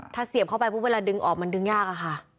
ถ้าเสียบเข้าไปปุ๊บเวลาดึงออกมันดึงยากอะค่ะ